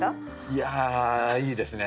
いやいいですね。